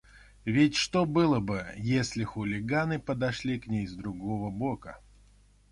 Ведь что бы было, если бы хулиганы подошли к ней с другого бока?